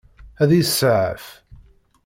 Ad iyi-tseɛef?